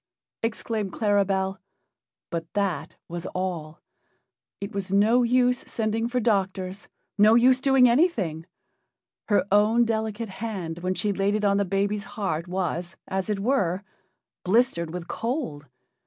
exclaimed Claribel, but that was all. It was no use sending for doctors no use doing anything. Her own delicate hand when she laid it on the baby's heart was, as it were, blistered with cold.